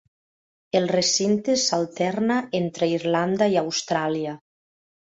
El recinte s'alterna entre Irlanda i Austràlia.